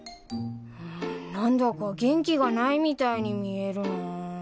ん何だか元気がないみたいに見えるなぁ。